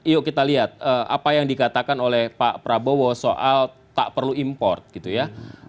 yuk kita lihat apa yang dikatakan oleh pak prabowo soal tak perlu import gitu ya